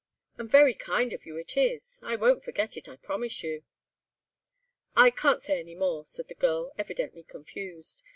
And very kind of you it is. I won't forget it, I promise you." "I can't say any more," said the girl, evidently confused.